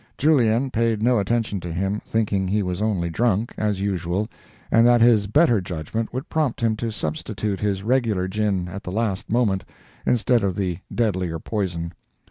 Jullien paid no attention to him, thinking he was only drunk, as usual, and that his better judgment would prompt him to substitute his regular gin at the last moment, instead of the deadlier poison.